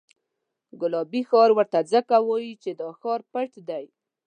ګلابي ښار ورته ځکه وایي چې دا ښار پټ دی.